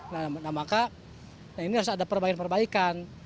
nah maka ini harus ada perbaikan perbaikan